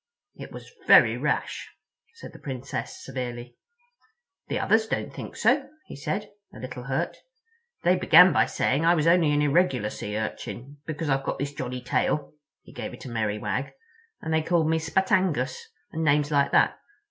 "It was very rash," said the Princess severely. "The others don't think so," he said, a little hurt. "They began by saying I was only an irregular Sea Urchin, because I've got this jolly tail"—he gave it a merry wag—"and they called me Spatangus, and names like that.